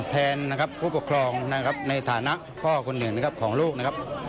แทนผู้ปกครองในฐานะพ่อคุณเหนือนของลูกนะครับ